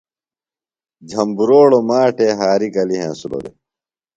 جھمبروڑو ماٹے ہاریۡ گلیۡ ہنسِلوۡ دےۡ۔